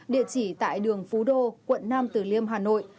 địa chỉ tại đường phú đô quận năm từ liêm hà nội